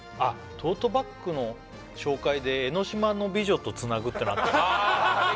トートバッグの紹介で江の島の美女とつなぐってのあったねああ